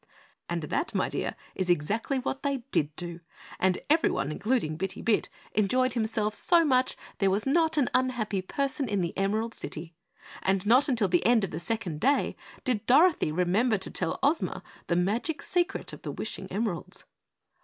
And that, my dear, is exactly what they did do, and everyone, including Bitty Bit, enjoyed himself so much there was not an unhappy person in the Emerald City. And not until the end of the second day did Dorothy remember to tell Ozma the magic secret of the wishing emeralds.